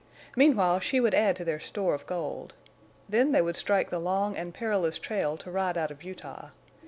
Meanwhile, she would add to their store of gold. Then they would strike the long and perilous trail to ride out of Utah.